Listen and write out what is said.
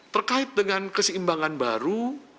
terkait dengan keseimbangan baru